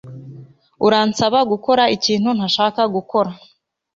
Uransaba gukora ikintu ntashaka gukora